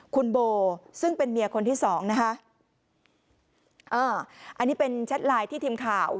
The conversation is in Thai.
คุณโบซึ่งเป็นเมียคนที่สองนะคะอ่าอันนี้เป็นแชทไลน์ที่ทีมข่าว